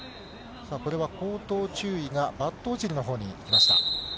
これは口頭注意が、バットオチルのほうにいきました。